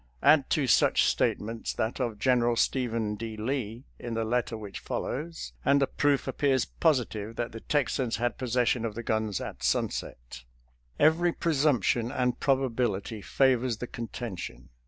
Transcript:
Add to such statements that of General Stephen D. Lee in the letter which follows, and the proof appears positive that the Texans had possession of the guns at sunset. Every presumption and probability favors the contention.